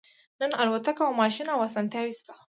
نن الوتکه او ماشین او اسانتیاوې شته